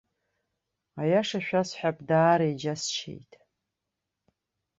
Аиаша шәасҳәап, даара иџьасшьеит.